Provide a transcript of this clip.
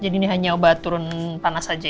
jadi ini hanya obat turun panas aja ya